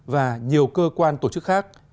và nhiều cơ quan tổ chức khác